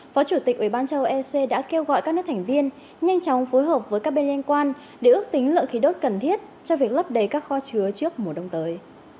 phó chủ tịch ubnd châu ec đã kêu gọi các nước thành viên nhanh chóng phối hợp với các bên liên quan để ước tính lượng khí đốt cần thiết cho việc lấp đầy các kho chứa trước mùa đông tới